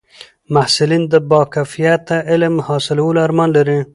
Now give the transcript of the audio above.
محصلین د با کیفیته علم حاصلولو ارمان لري.